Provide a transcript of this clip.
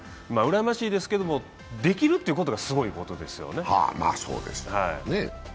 うらやましいですけども、できるということがすごいことですよね。